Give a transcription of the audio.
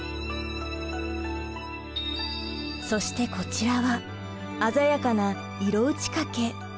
そしてこちらは鮮やかな色打ち掛け。